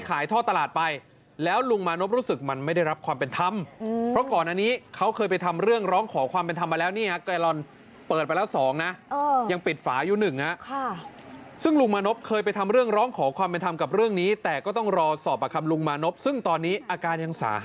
ก็คือกลัวมากเลยนะแกลลอนน้ำมันที่เห็นนะ๓แกลลอนน่ะ